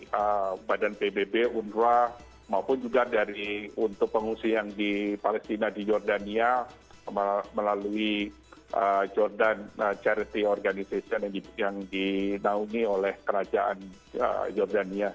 dari badan pbb unra maupun juga dari untuk pengungsi yang di palestina di jordania melalui jordan charity organization yang dinaungi oleh kerajaan jordania